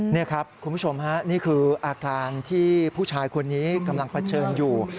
นี่ครับคุณผู้ชมฮะนี่คืออาการที่ผู้ชายคนนี้กำลังเผชิญอยู่